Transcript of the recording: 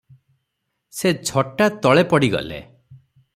ସେ ଝଟାତ୍ ତଳେ ପଡ଼ି ଗଲେ ।